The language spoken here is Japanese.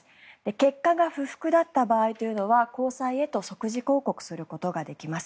結果が不服だった場合というのは高裁へと即時抗告することができます。